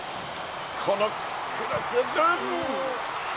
このクロス！